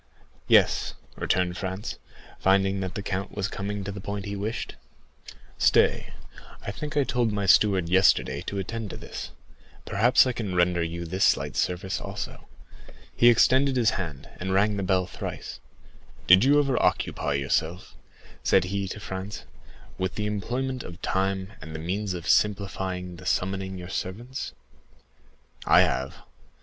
"Yes," returned Franz, finding that the count was coming to the point he wished. "Stay, I think I told my steward yesterday to attend to this; perhaps I can render you this slight service also." He extended his hand, and rang the bell thrice. "Did you ever occupy yourself," said he to Franz, "with the employment of time and the means of simplifying the summoning your servants? I have.